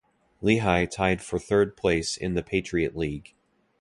Lehigh tied for third place in the Patriot League.